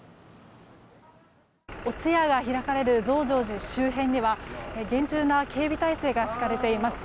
お通夜が開かれる増上寺周辺には厳重な警備態勢が敷かれています。